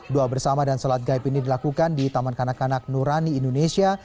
doa bersama dan sholat gaib ini dilakukan di taman kanak kanak nurani indonesia